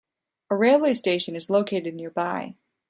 A railway station is located nearby.